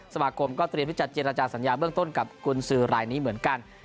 สมาคมก็เตรียมที่จะเจรจาสัญญาเบื้องต้นกับกุญสือรายนี้เหมือนกัน